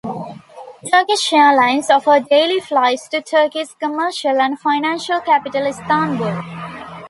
Turkish Airlines offer daily flights to Turkey's commercial and financial capital Istanbul.